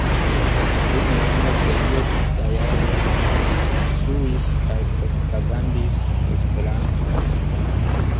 Dum longa serio da jaroj li instruis kaj propagandis Esperanton.